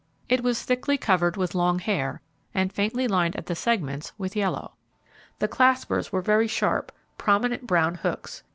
It was thickly covered with long hair, and faintly lined at the segments with yellow. The claspers were very sharp, prominent brown hooks.